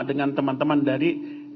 dengan teman teman dari